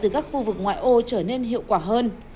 từ các khu vực ngoại ô trở nên hiệu quả hơn